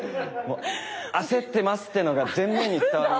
焦ってますっていうのが全面に伝わる。